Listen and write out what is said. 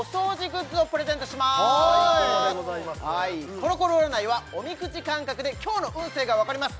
コロコロ占いはおみくじ感覚で今日の運勢がわかります